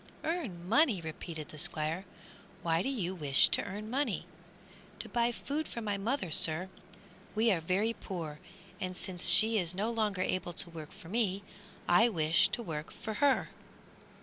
"Earn money!" repeated the Squire, "why do you wish to earn money?" "To buy food for my mother, sir. We are very poor, and since she is no longer able to work for me I wish to work for her."